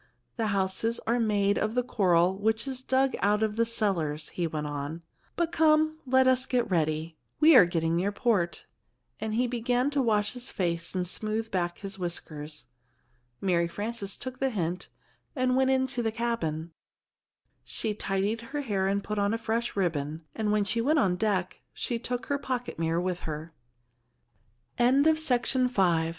"The houses are made of the coral which is dug out of the cellars," he went on. "But, come, let us get ready; we are getting near port," and he began to wash his face and smooth back his whiskers. Mary Frances took the hint, and went into the cabin. She tidied her hair, and put on a fresh ribbon, and when she went on deck, she took her pocket mirror with her. VI THE OLD WITCH AND TH